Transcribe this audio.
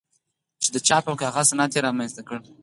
چې د چاپ او کاغذ صنعت یې رامنځته کړ.